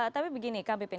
tapi begini kang pepin